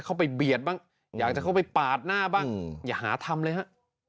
เบียดบ้างอยากจะเข้าไปปาดหน้าบ้างอย่าหาทำเลยฮะ